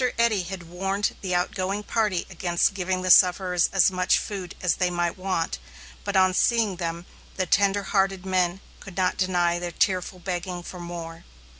Eddy had warned the outgoing party against giving the sufferers as much food as they might want, but, on seeing them, the tender hearted men could not deny their tearful begging for "more."